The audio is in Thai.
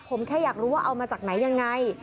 ผมแค่อยากรู้ว่าเอามาจากไหนยังไง